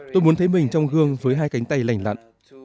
tôi muốn thấy mình trong gương với hai cánh tay lành lặn